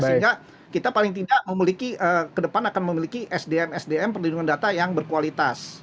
sehingga kita paling tidak memiliki ke depan akan memiliki sdm sdm perlindungan data yang berkualitas